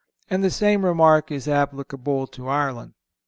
And the same remark is applicable to Ireland.